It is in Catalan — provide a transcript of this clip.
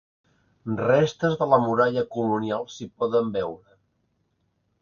Restes de la muralla colonial s'hi poden veure.